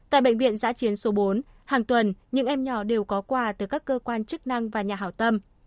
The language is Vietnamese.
tại bệnh viện giã chiến số bốn hàng tuần những em nhỏ đều có quà từ các cơ quan chức năng và nhà hảo tâm